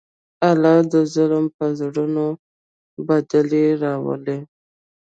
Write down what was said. الله د ظلم په زړونو بدلې راولي.